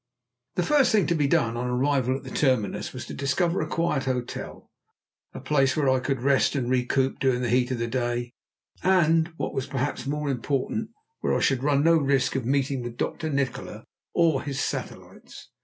The first thing to be done on arrival at the terminus was to discover a quiet hotel; a place where I could rest and recoup during the heat of the day, and, what was perhaps more important, where I should run no risk of meeting with Dr. Nikola or his satellites.